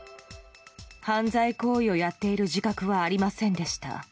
犯罪行為をやっている自覚はありませんでした。